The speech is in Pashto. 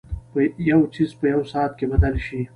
یو څیز په یوه ساعت کې بدل شي.